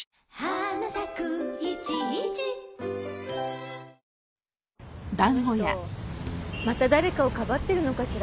あの人また誰かを庇ってるのかしら？